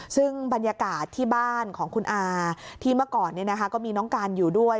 ซึ่งบรรยากาศที่บ้านของคุณอาที่เมื่อก่อนก็มีน้องการอยู่ด้วย